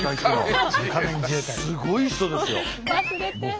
すごい人ですよ。